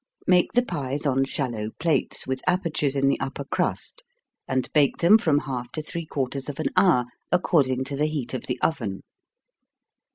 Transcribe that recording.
Make the pies on shallow plates, with apertures in the upper crust, and bake them from half to three quarters of an hour, according to the heat of the oven.